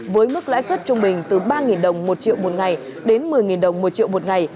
với mức lãi suất trung bình từ ba đồng một triệu một ngày đến một mươi đồng một triệu một ngày